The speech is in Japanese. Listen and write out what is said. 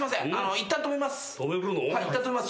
いったん止めます。